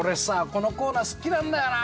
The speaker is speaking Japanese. このコーナー好きなんだよな。